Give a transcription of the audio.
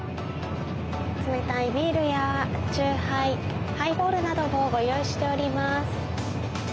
冷たいビールや酎ハイハイボールなどもご用意しております。